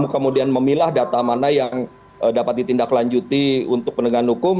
kemudian memilah data mana yang dapat ditindaklanjuti untuk penegakan hukum